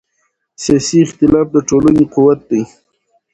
سیاسي اختلاف د ټولنې قوت دی